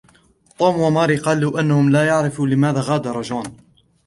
توم وماري قالوا انهم لا يعرفوا لماذا غادر جون